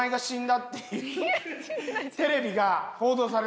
テレビが報道されてる。